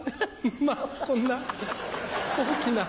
「まぁこんな大きな」。